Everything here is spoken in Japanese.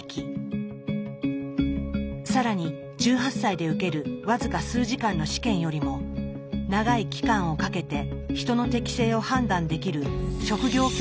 更に１８歳で受ける僅か数時間の試験よりも長い期間をかけて人の適性を判断できる職業教育の方が民主的だといいます。